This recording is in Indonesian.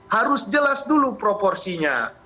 harus jelas dulu proporsinya